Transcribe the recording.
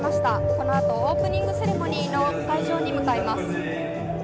この後オープニングセレモニーの会場に向かいます。